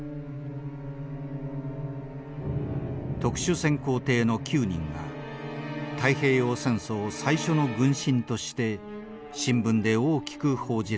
特殊潜航艇の９人が太平洋戦争最初の軍神として新聞で大きく報じられた。